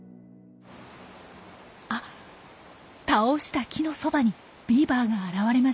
あ倒した木のそばにビーバーが現れました。